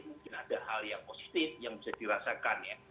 mungkin ada hal yang positif yang bisa dirasakan ya